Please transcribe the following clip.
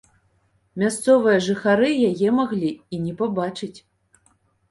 Мясцовыя жыхары яе маглі і не пабачыць.